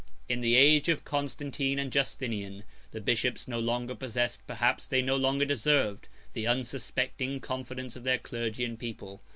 In the age of Constantine and Justinian, the bishops no longer possessed, perhaps they no longer deserved, the unsuspecting confidence of their clergy and people.